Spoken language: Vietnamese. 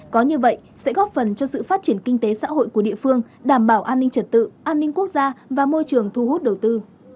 có như vậy sẽ góp phần cho sự phát triển kinh tế xã hội của địa phương đảm bảo an ninh trật tự an ninh quốc gia và môi trường thu hút đầu tư